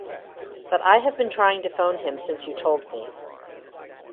But I have been trying to phone him since you told me.